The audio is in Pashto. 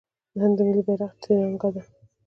د هند ملي بیرغ تیرانګه دی.